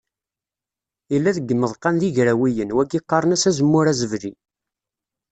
Yella deg yimeḍqan d igrawiyen, wagi qqaren-as azemmur azebli.